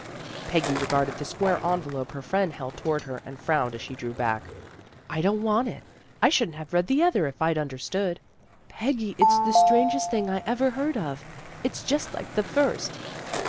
Peggy regarded the square envelope her friend held toward her, and frowned as she drew back. " I don't want it. I shouldn't have read the other it I'd understood." " Peggy, it's the strangest thing I ever heard of. It's just like the first."